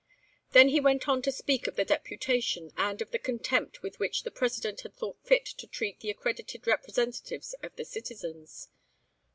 Then he went on to speak of the Deputation and of the contempt with which the President had thought fit to treat the accredited representatives of the citizens.